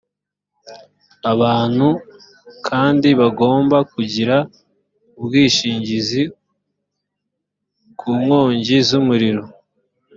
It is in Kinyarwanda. abantu kandi bagomba kugira ubwishingizi ku nkongi z umuriro